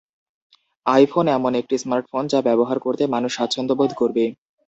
IPhone এমন একটি smartphone, যা ব্যবহার করতে মানুষ স্বাচ্ছন্দ্যবোধ করবে।